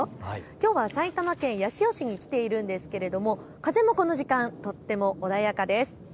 きょうは埼玉県八潮市に来ているんですが風もこの時間とっても穏やかです。